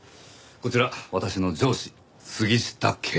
こちら私の上司杉下警部。